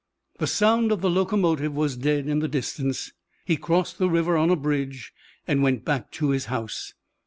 The sound of the locomotive was dead in the distance. He crossed the river on a bridge and went back to his house.